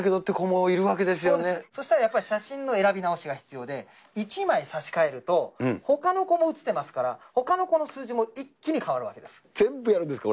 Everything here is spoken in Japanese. そうです、そしたらやっぱり写真の選び直しが必要で、１枚差し替えると、ほかの子も写ってますから、ほかの子の数字も一気に変わるわ全部やるんですか？